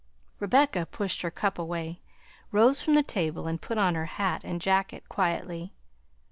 Rebecca pushed her cup away, rose from the table, and put on her hat and jacket quietly.